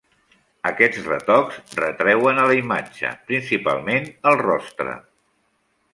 Aquests retocs retreuen a la imatge, principalment al Rostre.